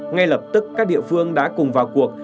ngay lập tức các địa phương đã cùng vào cuộc